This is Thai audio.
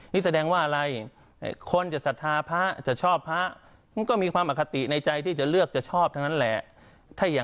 นี่แสดงว่าอะไรคนจะศรัทธาพระจะชอบพระมันก็มีความอคติในใจที่จะเลือกจะชอบทั้งนั้นแหละ